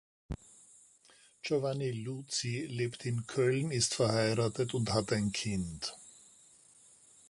Giovanni Luzi lebt in Köln, ist verheiratet und hat ein Kind.